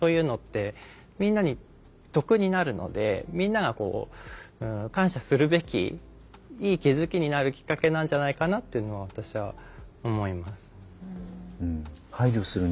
みんなに得になるのでみんなが感謝するべきいい気付きになるきっかけなんじゃないかなっていうのは私は思います。